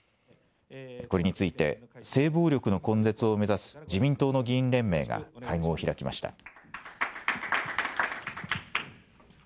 これについて性暴力の根絶を目指す自民党の議員連盟が会合を開きました。